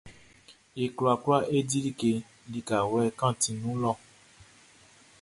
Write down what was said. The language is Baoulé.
E kwlakwla e di like likawlɛ kantinʼn nun lɔ.